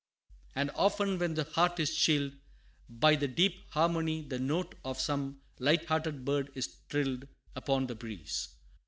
And often when the heart is chilled By the deep harmony, the note Of some light hearted bird is trilled Upon the breeze.